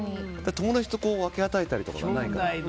友達と分け与えたりとかないから。